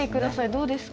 どうですか？